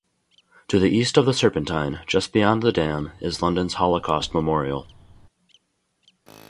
To the east of the Serpentine, just beyond the dam, is London's Holocaust Memorial.